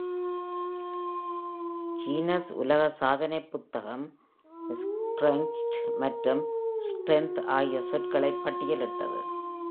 Guinness உலக சாதனைப் புத்தகம் "scraunched" மற்றும் "strengthed" ஆகிய சொற்களை பட்டியலிட்டுள்ளது.